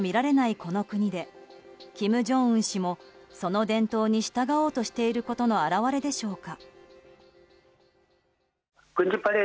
この国で、金正恩氏もその伝統に従おうとしていることの表れでしょうか。